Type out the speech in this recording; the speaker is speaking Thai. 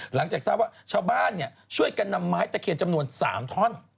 หลังจากทราบว่าชาวบ้านช่วยกันนำไม้ตะเคียนจำนวน๓ท่อน